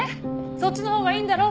そっちのほうがいいんだろ？